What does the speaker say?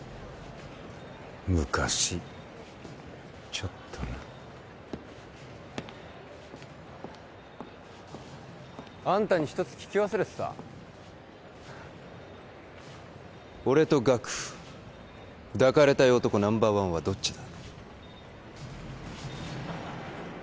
昔ちょっとなあんたに一つ聞き忘れてた俺とガク抱かれたい男ナンバーワンはどっちだ？